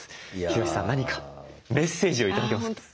ヒロシさん何かメッセージを頂けますか？